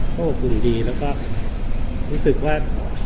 ก็อบอุ่นดีแล้วก็รู้สึกว่า